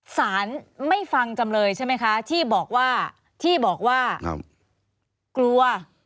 สถานไม่ฟังจำเลยใช่มั้ยคะที่บอกว่ากลัว